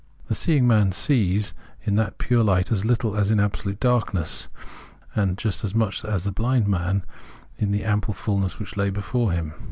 The seeing man sees in that pure light as little as in absolute darkness, and just as much as the blind man in the ample fulness which lay before him.